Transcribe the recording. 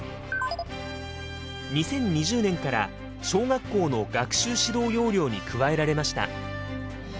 ２０２０年から小学校の学習指導要領に加えられました。